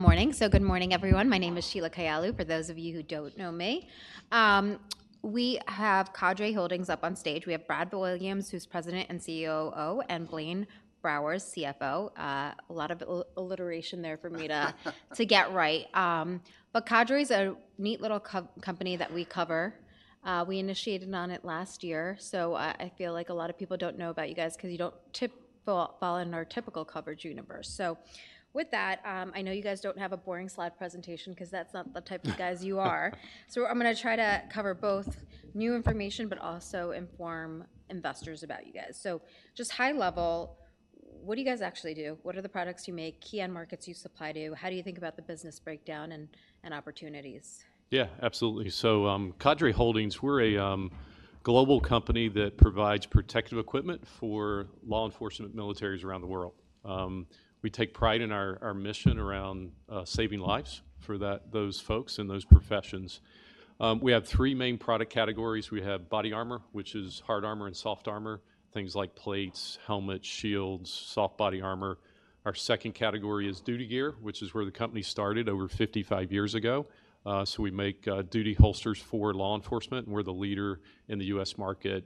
Morning. So good morning, everyone. My name is Sheila Kahyaoglu, for those of you who don't know me. We have Cadre Holdings up on stage. We have Brad Williams, who's President and CEO, and Blaine Browers, CFO. A lot of alliteration there for me to get right. But Cadre is a neat little company that we cover. We initiated on it last year, so I feel like a lot of people don't know about you guys cause you don't typically fall in our typical coverage universe. So with that, I know you guys don't have a boring slide presentation cause that's not the type of guys you are. So I'm gonna try to cover both new information, but also inform investors about you guys. So just high level, what do you guys actually do? What are the products you make, key end markets you supply to? How do you think about the business breakdown and opportunities? Yeah, absolutely. So, Cadre Holdings, we're a global company that provides protective equipment for law enforcement militaries around the world. We take pride in our, our mission around, saving lives for those folks in those professions. We have three main product categories. We have body armor, which is hard armor and soft armor, things like plates, helmets, shields, soft body armor. Our second category is duty gear, which is where the company started over 55 years ago. So we make, duty holsters for law enforcement, and we're the leader in the U.S. market,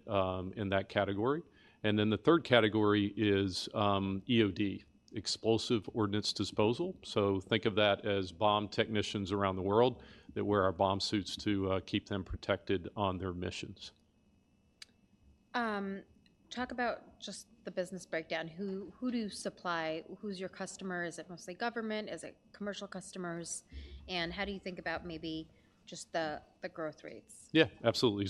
in that category. And then the third category is, EOD, Explosive Ordnance Disposal. So think of that as bomb technicians around the world that wear our bomb suits to, keep them protected on their missions. Talk about just the business breakdown. Who do you supply? Who's your customer? Is it mostly government? Is it commercial customers? And how do you think about maybe just the growth rates? Yeah, absolutely.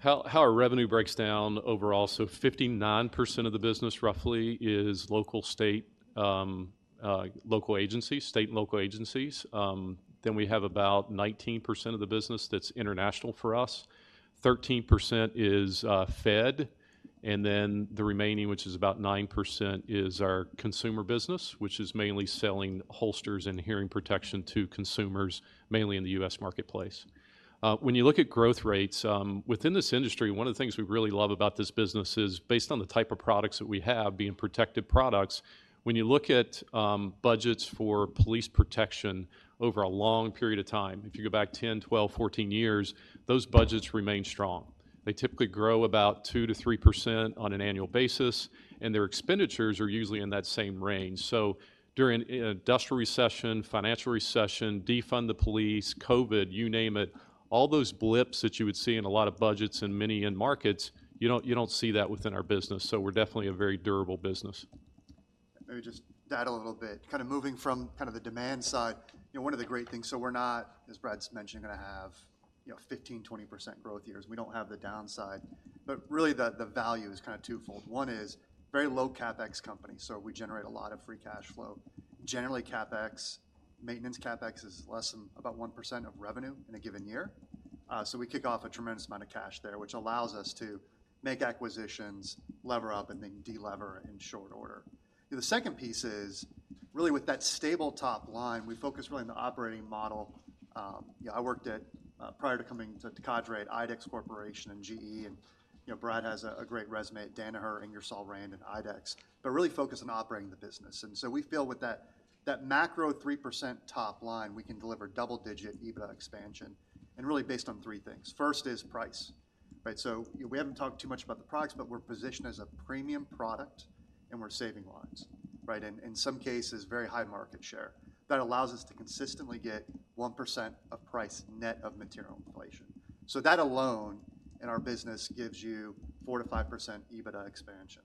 How our revenue breaks down overall, 59% of the business, roughly, is local, state, local agencies, state and local agencies. Then we have about 19% of the business that's international for us. 13% is fed, and then the remaining, which is about 9%, is our consumer business, which is mainly selling holsters and hearing protection to consumers, mainly in the US marketplace. When you look at growth rates within this industry, one of the things we really love about this business is based on the type of products that we have, being protective products, when you look at budgets for police protection over a long period of time, if you go back 10, 12, 14 years, those budgets remain strong. They typically grow about 2%-3% on an annual basis, and their expenditures are usually in that same range. So during an industrial recession, financial recession, defund the police, COVID, you name it, all those blips that you would see in a lot of budgets and many end markets, you don't, you don't see that within our business, so we're definitely a very durable business. Maybe just add a little bit. Kind of moving from kind of the demand side, you know, one of the great things, so we're not, as Brad's mentioned, gonna have, you know, 15, 20% growth years. We don't have the downside, but really, the value is kind of twofold. One is very low CapEx company, so we generate a lot of free cash flow. Generally, CapEx, maintenance CapEx is less than about 1% of revenue in a given year. So we kick off a tremendous amount of cash there, which allows us to make acquisitions, lever up, and then de-lever in short order. The second piece is, really with that stable top line, we focus really on the operating model. You know, I worked at, prior to coming to Cadre, at IDEX Corporation and GE, and, you know, Brad has a great resume at Danaher, Ingersoll Rand, and IDEX, but really focused on operating the business. So we feel with that macro 3% top line, we can deliver double-digit EBITDA expansion, and really based on three things. First is price, right? So, you know, we haven't talked too much about the products, but we're positioned as a premium product, and we're saving lives, right? In some cases, very high market share. That allows us to consistently get 1% of price net of material inflation. So that alone in our business gives you 4%-5% EBITDA expansion.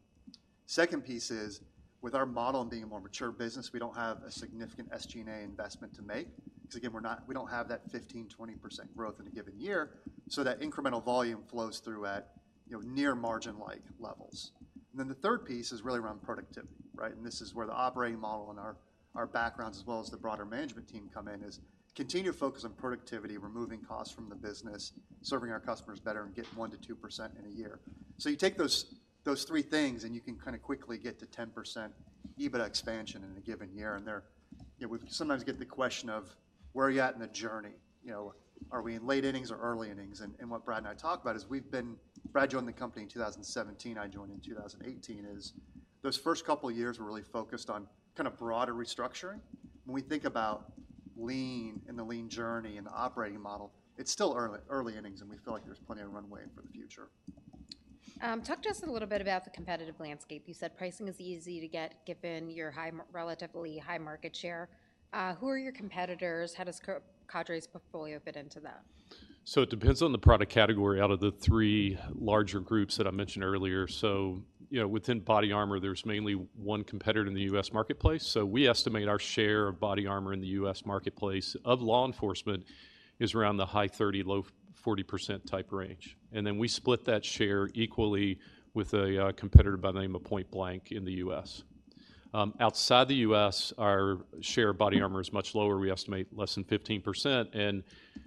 Second piece is, with our model and being a more mature business, we don't have a significant SG&A investment to make, 'cause again, we're not-- we don't have that 15, 20% growth in a given year, so that incremental volume flows through at, you know, near margin-like levels. And then the third piece is really around productivity, right? And this is where the operating model and our, our backgrounds, as well as the broader management team come in, is continue to focus on productivity, removing costs from the business, serving our customers better, and getting 1%-2% in a year. So you take those, those three things, and you can kind of quickly get to 10% EBITDA expansion in a given year. And there... You know, we sometimes get the question of: Where are you at in the journey? You know, are we in late innings or early innings? And what Brad and I talk about is we've been—Brad joined the company in 2017, I joined in 2018 is those first couple of years were really focused on kind of broader restructuring. When we think about Lean and the Lean journey and the operating model, it's still early, early innings, and we feel like there's plenty of runway for the future. Talk to us a little bit about the competitive landscape. You said pricing is easy to get, given your relatively high market share. Who are your competitors? How does Cadre's portfolio fit into that? It depends on the product category out of the three larger groups that I mentioned earlier. So, you know, within body armor, there's mainly one competitor in the U.S. marketplace. So we estimate our share of body armor in the U.S. marketplace of law enforcement is around the high 30, low 40% type range, and then we split that share equally with a competitor by the name of Point Blank in the U.S. Outside the U.S., our share of body armor is much lower. We estimate less than 15%, and,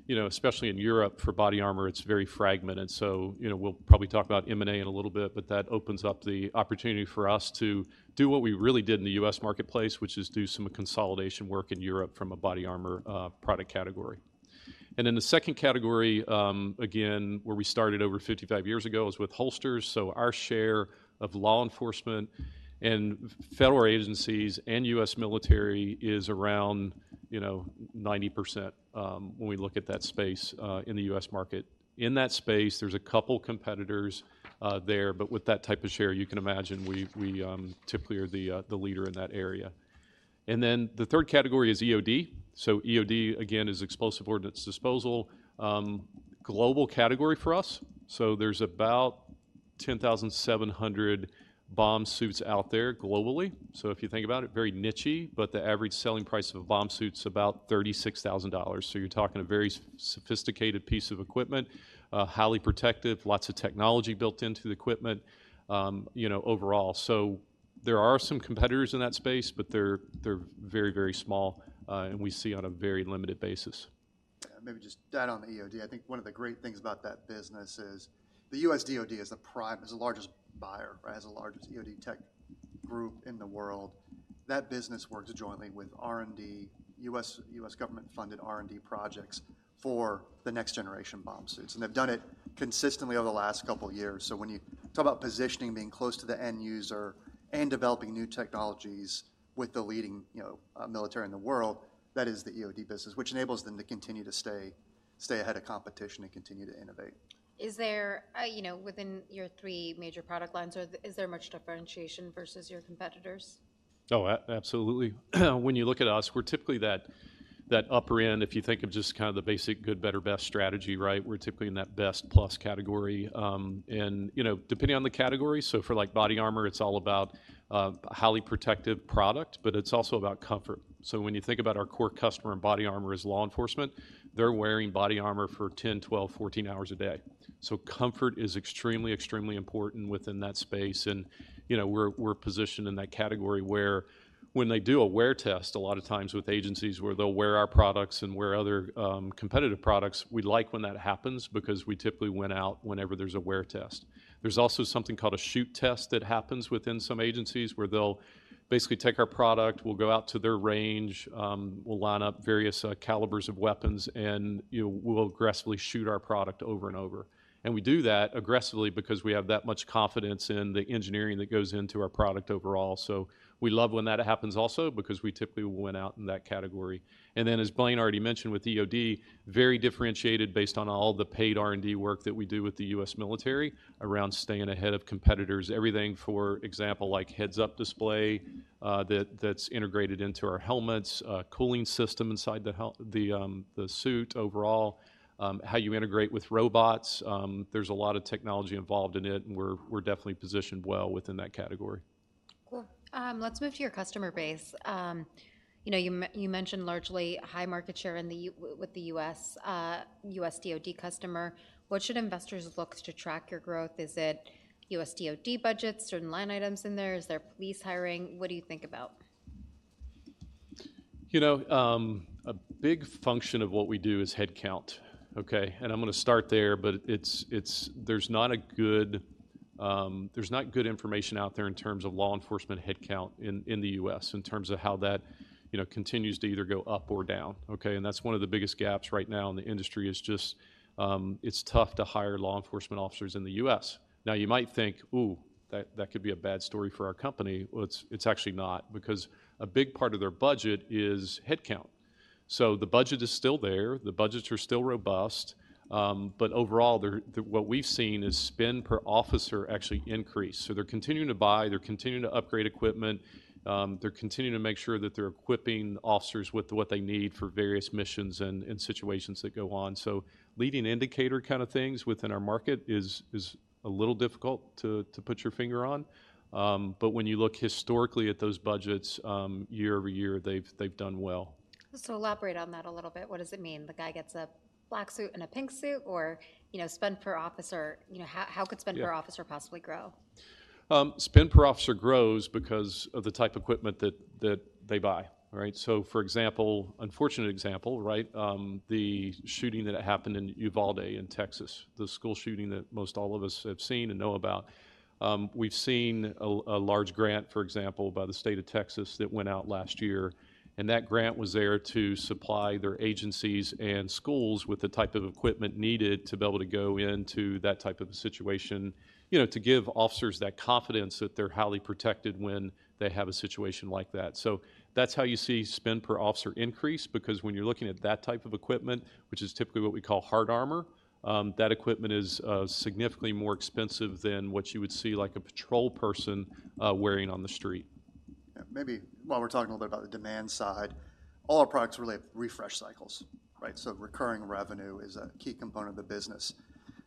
you know, especially in Europe, for body armor, it's very fragmented. So, you know, we'll probably talk about M&A in a little bit, but that opens up the opportunity for us to do what we really did in the U.S. marketplace, which is do some consolidation work in Europe from a body armor product category. And then the second category, again, where we started over 55 years ago, is with holsters. So our share of law enforcement and federal agencies and U.S. military is around, you know, 90%, when we look at that space, in the U.S. market. In that space, there's a couple competitors there, but with that type of share, you can imagine, we typically are the leader in that area. And then the third category is EOD. So EOD, again, is explosive ordnance disposal, global category for us. There's about 10,700 bomb suits out there globally. If you think about it, very niche, but the average selling price of a bomb suit is about $36,000. You're talking a very sophisticated piece of equipment, highly protective, lots of technology built into the equipment, you know, overall. There are some competitors in that space, but they're very, very small, and we see on a very limited basis. Maybe just add on the EOD. I think one of the great things about that business is the U.S. DOD is the largest buyer, right? Has the largest EOD tech group in the world. That business works jointly with R&D, U.S., U.S. government-funded R&D projects for the next generation bomb suits, and they've done it consistently over the last couple of years. So when you talk about positioning, being close to the end user and developing new technologies with the leading, you know, military in the world, that is the EOD business, which enables them to continue to stay ahead of competition and continue to innovate. Is there, you know, within your three major product lines, is there much differentiation versus your competitors? Oh, absolutely. When you look at us, we're typically that upper end, if you think of just kind of the basic good, better, best strategy, right? We're typically in that best plus category. And, you know, depending on the category, so for like body armor, it's all about a highly protective product, but it's also about comfort. So when you think about our core customer in body armor is law enforcement, they're wearing body armor for 10, 12, 14 hours a day. So comfort is extremely, extremely important within that space, and, you know, we're positioned in that category where when they do a wear test, a lot of times with agencies, where they'll wear our products and wear other competitive products, we like when that happens because we typically win out whenever there's a wear test. There's also something called a shoot test that happens within some agencies, where they'll basically take our product, we'll go out to their range, we'll line up various calibers of weapons, and, you know, we'll aggressively shoot our product over and over. And we do that aggressively because we have that much confidence in the engineering that goes into our product overall. So we love when that happens also because we typically win out in that category. And then, as Blaine already mentioned with EOD, very differentiated based on all the paid R&D work that we do with the U.S. military around staying ahead of competitors. Everything, for example, like heads-up display, that, that's integrated into our helmets, a cooling system inside the suit overall, how you integrate with robots. There's a lot of technology involved in it, and we're definitely positioned well within that category. Cool. Let's move to your customer base. You know, you mentioned largely high market share in the U.S. with the U.S. DOD customer. What should investors look to track your growth? Is it U.S. DOD budgets, certain line items in there? Is there police hiring? What do you think about? You know, a big function of what we do is headcount, okay? And I'm going to start there, but it's it's there's not a good, there's not good information out there in terms of law enforcement headcount in, in the U.S., in terms of how that, you know, continues to either go up or down, okay? And that's one of the biggest gaps right now in the industry, is just, it's tough to hire law enforcement officers in the U.S. Now, you might think, "Ooh, that, that could be a bad story for our company." Well, it's, it's actually not, because a big part of their budget is headcount. So the budget is still there. The budgets are still robust, but overall, they're, what we've seen is spend per officer actually increase. So they're continuing to buy, they're continuing to upgrade equipment, they're continuing to make sure that they're equipping officers with what they need for various missions and situations that go on. So leading indicator kind of things within our market is a little difficult to put your finger on. But when you look historically at those budgets, year over year, they've done well. So elaborate on that a little bit. What does it mean? The guy gets a black suit and a pink suit, or, you know, spend per officer, you know, how, how could spend Yeah per officer possibly grow? Spend per officer grows because of the type of equipment that they buy, right? So for example, unfortunate example, right? The shooting that happened in Uvalde, in Texas, the school shooting that most all of us have seen and know about. We've seen a large grant, for example, by the state of Texas that went out last year, and that grant was there to supply their agencies and schools with the type of equipment needed to be able to go into that type of a situation, you know, to give officers that confidence that they're highly protected when they have a situation like that. So that's how you see spend per officer increase, because when you're looking at that type of equipment, which is typically what we call hard armor, that equipment is significantly more expensive than what you would see, like a patrol person wearing on the street. Yeah, maybe while we're talking a little bit about the demand side, all our products really have refresh cycles, right? So recurring revenue is a key component of the business.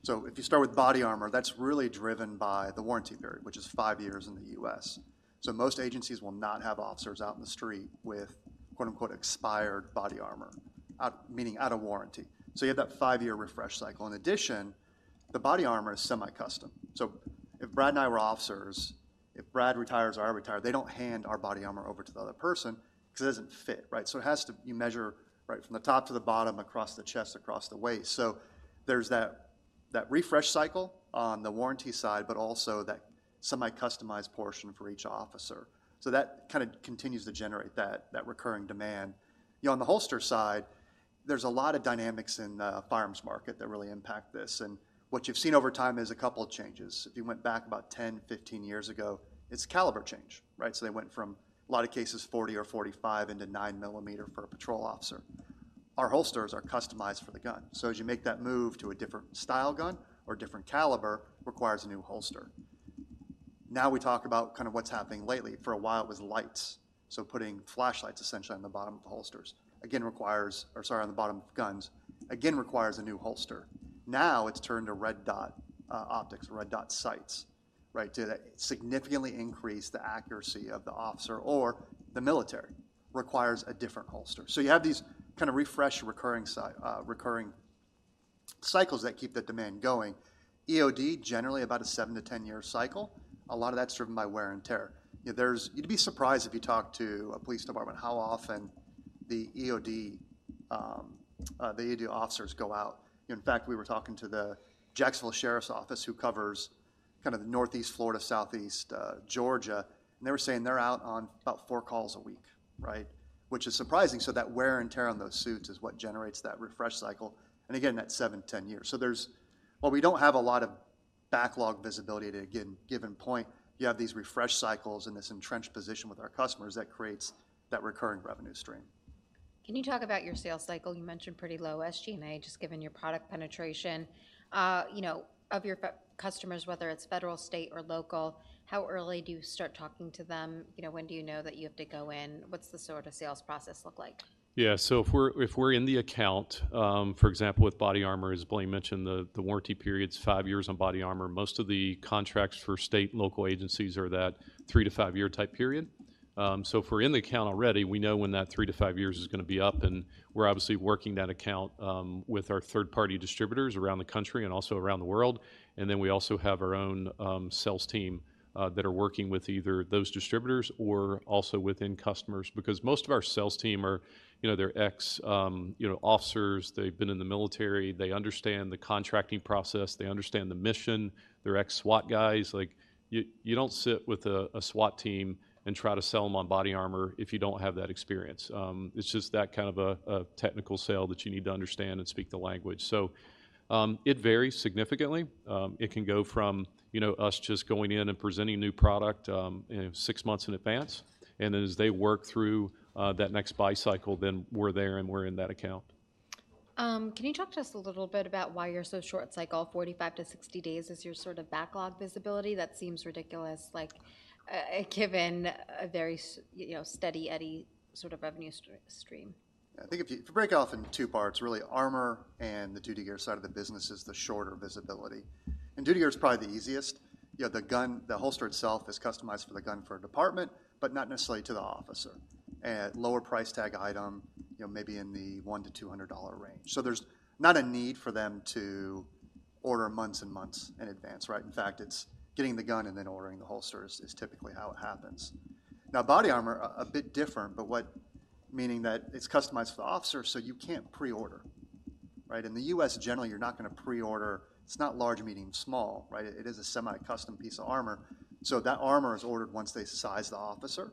So if you start with body armor, that's really driven by the warranty period, which is five years in the U.S. So most agencies will not have officers out in the street with, quote, unquote, "expired body armor," out, meaning out of warranty. So you have that five-year refresh cycle. In addition, the body armor is semi-custom. So if Brad and I were officers, if Brad retires or I retire, they don't hand our body armor over to the other person because it doesn't fit, right? So it has to you measure, right, from the top to the bottom, across the chest, across the waist. So, there's that refresh cycle on the warranty side, but also that semi-customized portion for each officer. That kind of continues to generate that recurring demand. You know, on the holster side, there's a lot of dynamics in the firearms market that really impact this, and what you've seen over time is a couple of changes. If you went back about 10, 15 years ago, it's caliber change, right? They went from, in a lot of cases, 30 or 45 into nine millimeter for a patrol officer. Our holsters are customized for the gun. As you make that move to a different style gun or different caliber, it requires a new holster. Now we talk about kind of what's happening lately. For a while, it was lights, so putting flashlights essentially on the bottom of the holsters. Again, requires or sorry, on the bottom of guns, again, requires a new holster. Now, it's turned to red dot optics, red dot sights, right? To significantly increase the accuracy of the officer or the military requires a different holster. You have these kind of refresh, recurring cycles that keep the demand going. EOD, generally about a 7-10-year cycle, a lot of that's driven by wear and tear. You know, there's you'd be surprised if you talk to a police department, how often the EOD officers go out. In fact, we were talking to the Jacksonville Sheriff's Office, who covers kind of the Northeast Florida, Southeast Georgia, and they were saying they're out on about four calls a week, right? Which is surprising. So that wear and tear on those suits is what generates that refresh cycle, and again, that 7-10 years. So there's, but we don't have a lot of backlog visibility at a given point, you have these refresh cycles and this entrenched position with our customers that creates that recurring revenue stream. Can you talk about your sales cycle? You mentioned pretty low SG&A, just given your product penetration. You know, of your customers, whether it's federal, state, or local, how early do you start talking to them? You know, when do you know that you have to go in? What's the sort of sales process look like? Yeah, if we're in the account, for example, with body armor, as Blaine mentioned, the warranty period's five years on body armor. Most of the contracts for state and local agencies are that three-to-five-year type period. If we're in the account already, we know when that three-to-five years is gonna be up, and we're obviously working that account with our third-party distributors around the country and also around the world. We also have our own sales team that are working with either those distributors or also within customers. Because most of our sales team are, you know, they're ex-, you know, officers. They've been in the military. They understand the contracting process. They understand the mission. They're ex-SWAT guys. Like, you don't sit with a SWAT team and try to sell them on body armor if you don't have that experience. It's just that kind of a technical sale that you need to understand and speak the language. So, it varies significantly. It can go from, you know, us just going in and presenting a new product, you know, six months in advance, and then as they work through that next buy cycle, then we're there, and we're in that account. Can you talk to us a little bit about why you're so short cycle, 45-60 days is your sort of backlog visibility? That seems ridiculous, like, given a very steady, you know, steady Eddie sort of revenue stream. I think if you, if you break it off in two parts, really, armor and the duty gear side of the business is the shorter visibility. Duty gear is probably the easiest. You know, the gun, the holster itself is customized for the gun for a department, but not necessarily to the officer. At lower price tag item, you know, maybe in the $100-$200 range. So there's not a need for them to order months and months in advance, right? In fact, it's getting the gun and then ordering the holster is, is typically how it happens. Now, body armor, a, a bit different, but what meaning that it's customized for the officer, so you can't pre-order, right? In the U.S., generally, you're not gonna pre-order. It's not large, medium, small, right? It is a semi-custom piece of armor. So that armor is ordered once they size the officer,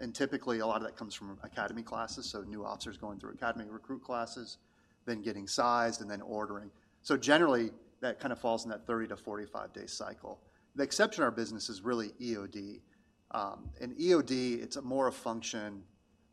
and typically, a lot of that comes from academy classes, so new officers going through academy recruit classes, then getting sized and then ordering. So generally, that kind of falls in that 30-45-day cycle. The exception in our business is really EOD. And EOD, it's more a function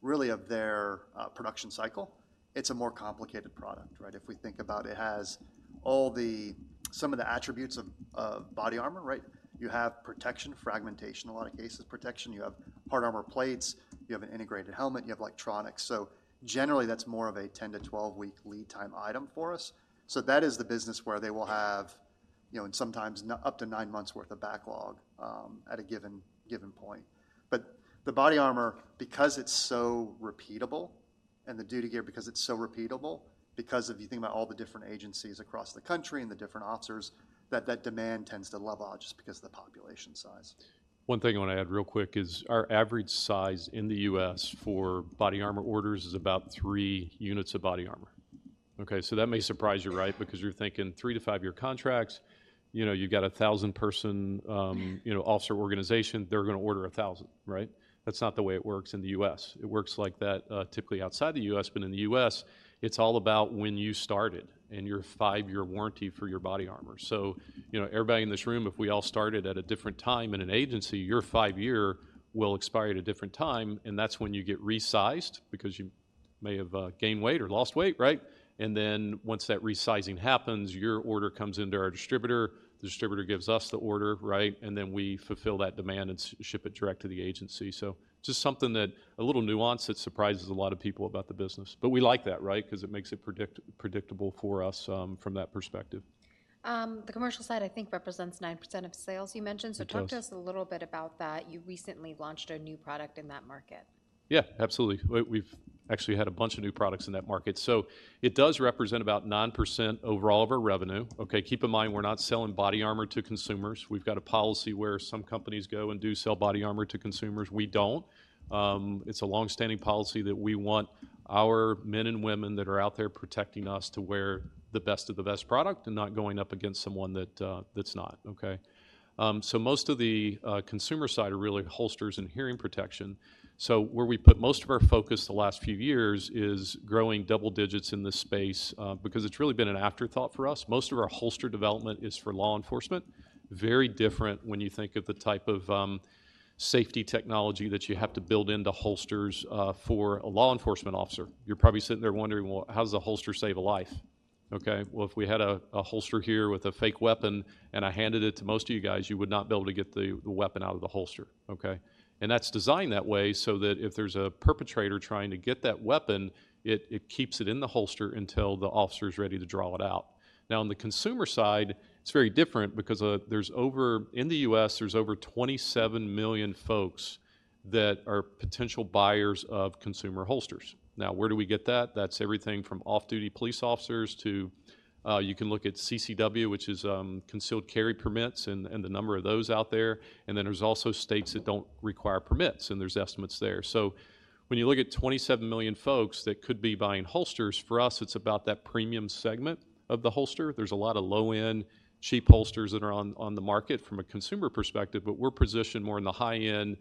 really of their production cycle. It's a more complicated product, right? If we think about it, it has all the... some of the attributes of, of body armor, right? You have protection, fragmentation, a lot of cases, protection. You have hard armor plates. You have an integrated helmet. You have electronics. So generally, that's more of a 10-12-week lead time item for us. So that is the business where they will have, you know, and sometimes up to nine months' worth of backlog, at a given, given point. But the body armor, because it's so repeatable, and the duty gear, because it's so repeatable, because if you think about all the different agencies across the country and the different officers, that, that demand tends to level out just because of the population size. One thing I want to add real quick is our average size in the U.S. for body armor orders is about 3 units of body armor. Okay, so that may surprise you, right? Because you're thinking 3-to-5-year contracts, you know, you've got a 1,000-person, you know, officer organization, they're gonna order a 1,000, right? That's not the way it works in the U.S. It works like that, typically outside the U.S., but in the U.S., it's all about when you started and your 5-year warranty for your body armor. So, you know, everybody in this room, if we all started at a different time in an agency, your 5-year will expire at a different time, and that's when you get resized because you may have, gained weight or lost weight, right? Then once that resizing happens, your order comes into our distributor, the distributor gives us the order, right? And then we fulfill that demand and ship it direct to the agency. So just something that a little nuance that surprises a lot of people about the business, but we like that, right? 'Cause it makes it predictable for us, from that perspective. The commercial side, I think, represents 9% of sales, you mentioned. It does. Talk to us a little bit about that. You recently launched a new product in that market. Yeah, absolutely. We, we've actually had a bunch of new products in that market. So it does represent about 9% overall of our revenue, okay? Keep in mind, we're not selling body armor to consumers. We've got a policy where some companies go and do sell body armor to consumers. We don't. It's a long-standing policy that we want our men and women that are out there protecting us to wear the best of the best product and not going up against someone that, that's not, okay? So most of the consumer side are really holsters and hearing protection. So where we put most of our focus the last few years is growing double digits in this space, because it's really been an afterthought for us. Most of our holster development is for law enforcement. Very different when you think of the type of safety technology that you have to build into holsters for a law enforcement officer. You're probably sitting there wondering, "Well, how does a holster save a life?" Okay, well, if we had a holster here with a fake weapon, and I handed it to most of you guys, you would not be able to get the weapon out of the holster, okay? And that's designed that way so that if there's a perpetrator trying to get that weapon, it keeps it in the holster until the officer is ready to draw it out. Now, on the consumer side, it's very different because in the U.S., there's over 27 million folks that are potential buyers of consumer holsters. Now, where do we get that? That's everything from off-duty police officers to, you can look at CCW, which is concealed carry permits, and the number of those out there. And then there's also states that don't require permits, and there's estimates there. So when you look at 27 million folks that could be buying holsters, for us, it's about that premium segment of the holster. There's a lot of low-end, cheap holsters that are on the market from a consumer perspective, but we're positioned more in the high-end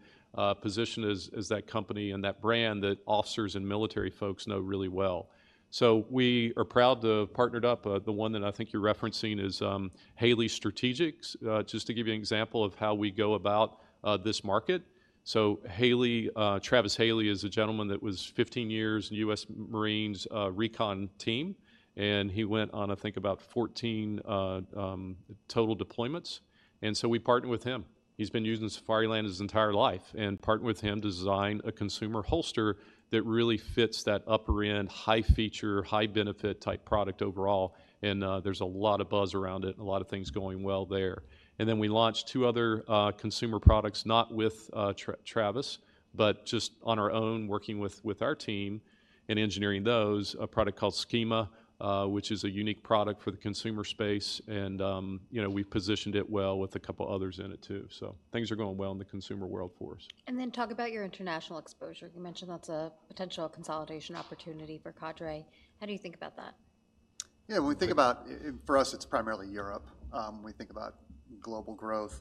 position as that company and that brand that officers and military folks know really well. So we are proud to have partnered up. The one that I think you're referencing is Haley Strategic Partners. Just to give you an example of how we go about this market. So Haley, Travis Haley is a gentleman that was 15 years in the U.S. Marines, Recon team, and he went on, I think, about 14 total deployments. So we partnered with him. He's been using Safariland his entire life, and partnered with him to design a consumer holster that really fits that upper-end, high-feature, high-benefit type product overall, and there's a lot of buzz around it and a lot of things going well there. Then we launched two other consumer products, not with Travis, but just on our own, working with our team in engineering those, a product called Schema, which is a unique product for the consumer space, and you know, we've positioned it well with a couple of others in it too, so things are going well in the consumer world for us. And then talk about your international exposure. You mentioned that's a potential consolidation opportunity for Cadre. How do you think about that? Yeah, when we think about for us, it's primarily Europe, when we think about global growth.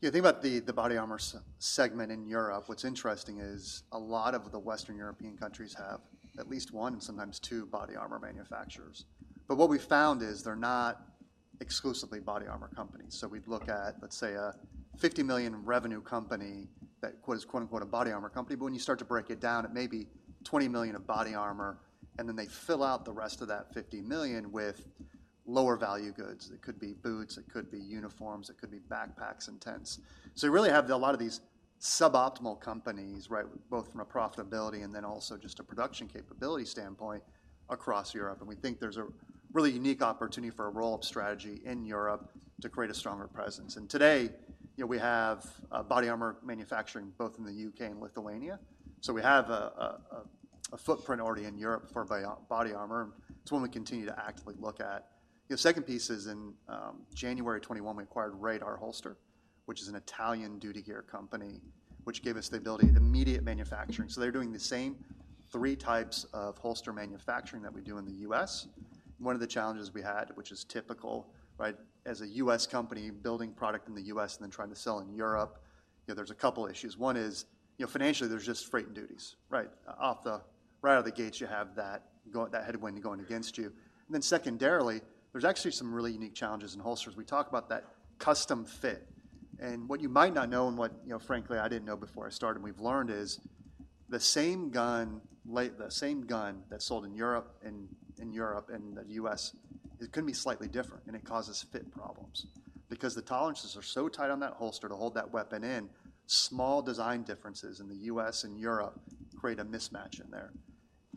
You think about the body armor segment in Europe. What's interesting is a lot of the Western European countries have at least one, sometimes two, body armor manufacturers. But what we found is they're not exclusively body armor companies. So we'd look at, let's say, a $50 million revenue company that quote-unquote is "a body armor company," but when you start to break it down, it may be $20 million of body armor, and then they fill out the rest of that $50 million with lower-value goods. It could be boots, it could be uniforms, it could be backpacks and tents. So you really have a lot of these suboptimal companies, right, both from a profitability and then also just a production capability standpoint across Europe. We think there's a really unique opportunity for a roll up strategy in Europe to create a stronger presence. Today, you know, we have body armor manufacturing both in the U.K. and Lithuania, so we have a footprint already in Europe for body armor. It's one we continue to actively look at. The second piece is in January 2021, we acquired Radar 1957, which is an Italian duty gear company, which gave us the ability of immediate manufacturing. So they're doing the same three types of holster manufacturing that we do in the U.S. One of the challenges we had, which is typical, right, as a U.S. company building product in the U.S. and then trying to sell in Europe, you know, there's a couple issues. One is, you know, financially, there's just freight and duties, right? Right out of the gate, you have that headwind going against you. And then secondarily, there's actually some really unique challenges in holsters. We talk about that custom fit. And what you might not know, and what, you know, frankly, I didn't know before I started and we've learned is, the same gun that's sold in Europe, in Europe and the U.S., it can be slightly different, and it causes fitting problems because the tolerances are so tight on that holster to hold that weapon in, small design differences in the U.S. and Europe create a mismatch in there.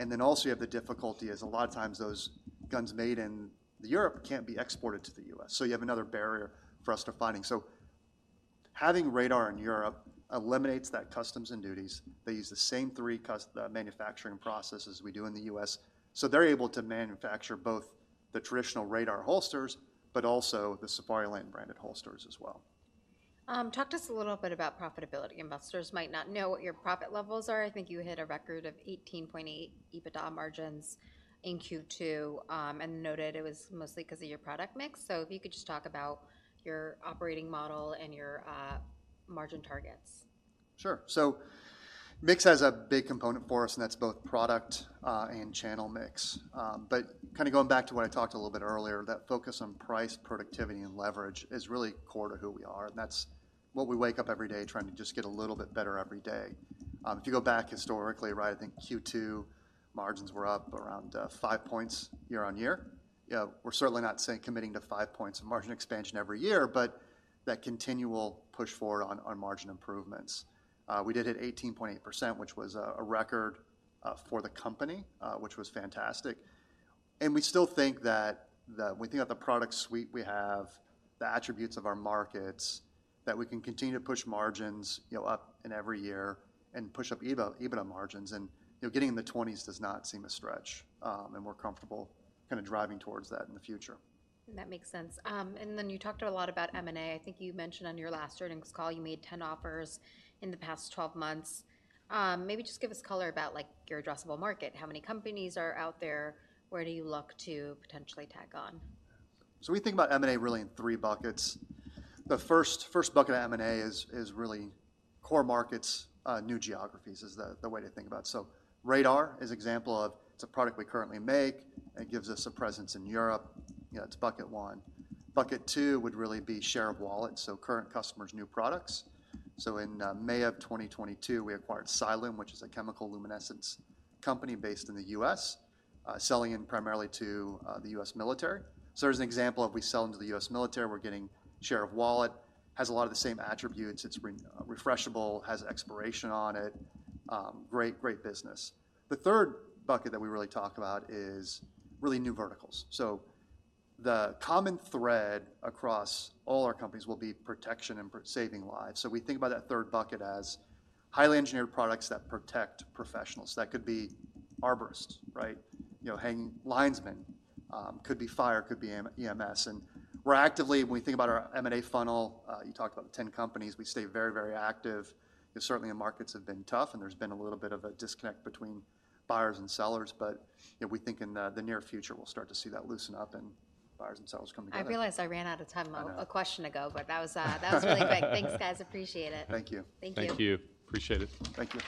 And then also, you have the difficulty is a lot of times those guns made in Europe can't be exported to the U.S., so you have another barrier for us to finding. So having Radar in Europe eliminates that customs and duties. They use the same three manufacturing processes we do in the U.S., so they're able to manufacture both the traditional Radar holsters, but also the Safariland branded holsters as well. Talk to us a little bit about profitability. Investors might not know what your profit levels are. I think you hit a record of 18.8 EBITDA margins in Q2, and noted it was mostly because of your product mix. So if you could just talk about your operating model and your margin targets. Sure. So mix has a big component for us, and that's both product and channel mix. But kind of going back to what I talked a little bit earlier, that focus on price, productivity, and leverage is really core to who we are, and that's what we wake up every day trying to just get a little bit better every day. If you go back historically, right, I think Q2 margins were up around 5 points year-over-year. We're certainly not saying committing to 5 points of margin expansion every year, but that continual push forward on margin improvements. We did hit 18.8%, which was a record for the company, which was fantastic. We still think that when you think about the product suite we have, the attributes of our markets, that we can continue to push margins, you know, up in every year and push up EBITDA margins, and, you know, getting in the twenties does not seem a stretch, and we're comfortable kind of driving towards that in the future. That makes sense. And then you talked a lot about M&A. I think you mentioned on your last earnings call, you made 10 offers in the past 12 months. Maybe just give us color about, like, your addressable market. How many companies are out there? Where do you look to potentially tag on? So we think about M&A really in three buckets. The first bucket of M&A is really core markets, new geographies, is the way to think about it. So Radar is example of it's a product we currently make, and it gives us a presence in Europe. You know, it's bucket one. Bucket two would really be share of wallet, so current customers, new products. So in May of 2022, we acquired Cyalume, which is a chemical luminescence company based in the U.S., selling it primarily to the U.S. military. So there's an example of we sell them to the U.S. military, we're getting share of wallet. Has a lot of the same attributes. It's refreshable, has expiration on it. Great, great business. The third bucket that we really talk about is really new verticals. So the common thread across all our companies will be protection and saving lives. So we think about that third bucket as highly engineered products that protect professionals. That could be arborists, right? You know, hanging linesmen. Could be fire, could be EMS. And we're actively, when we think about our M&A funnel, you talked about the 10 companies, we stay very, very active. Certainly, the markets have been tough, and there's been a little bit of a disconnect between buyers and sellers, but, you know, we think in the near future, we'll start to see that loosen up and buyers and sellers come together. I realized I ran out of time. I know a question ago, but that was, that was really great. Thanks, guys. Appreciate it. Thank you. Thank you. Thank you. Appreciate it. Thank you.